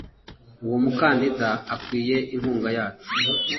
Uwo mukandida akwiye inkunga yacu